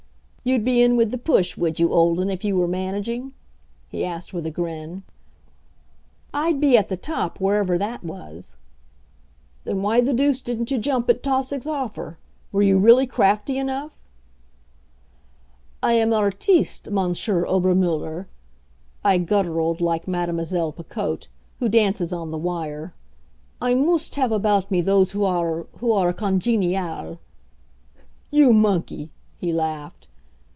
"You'd be in with the push, would you, Olden, if you were managing?" he asked with a grin. "I'd be at the top, wherever that was." "Then why the deuce didn't you jump at Tausig's offer? Were you really crafty enough " "I am artiste, Monsieur Obermuller," I gutturaled like Mademoiselle Picotte, who dances on the wire. "I moost have about me those who arre who arre congeniale " "You monkey!" he laughed.